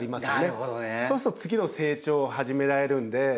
そうすると次の成長を始められるので。